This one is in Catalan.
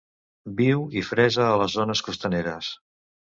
Viu i fresa a les zones costaneres.